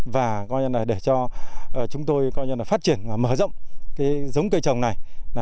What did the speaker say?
và để cho chúng tôi phát triển mở rộng cái giống cây trồng này